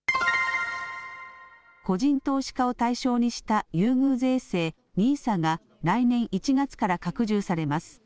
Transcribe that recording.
個人投資家を対象にした優遇税制、ＮＩＳＡが来年１月から拡充されます。